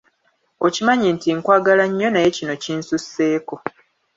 Okimanyi nti nkwagala nnyo naye kino kinsusseeko!